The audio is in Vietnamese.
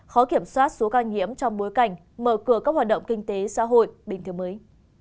khó kiểm soát số ca nhiễm trong bối cảnh mở cửa các hoạt động kinh tế xã hội bình thường mới